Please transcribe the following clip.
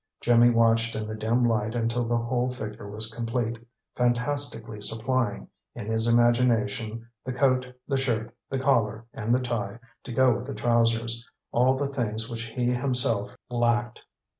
Jimmy watched in the dim light until the whole figure was complete, fantastically supplying, in his imagination, the coat, the shirt, the collar and the tie to go with the trousers all the things which he himself lacked.